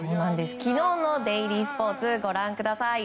昨日のデイリースポーツご覧ください。